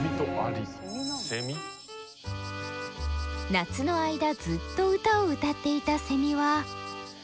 夏の間ずっと歌を歌っていたセミは。